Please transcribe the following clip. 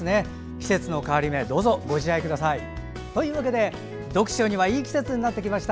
季節の変わり目どうぞご自愛ください。というわけで、読書にはいい季節になってきました。